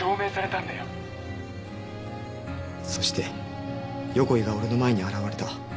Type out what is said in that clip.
そして横井が俺の前に現れた。